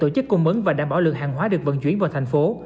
cung bấn và đảm bảo lực hàng hóa được vận chuyển vào thành phố